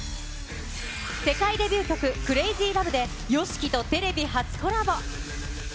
世界デビュー曲、ＣｒａｚｙＬｏｖｅで、ＹＯＳＨＩＫＩとテレビ初コラボ。